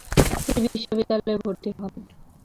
তিনি বিশ্ববিদ্যালয়ে ভর্তি হন।